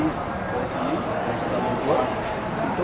dan sudah berdua untuk melakukan seluruh itu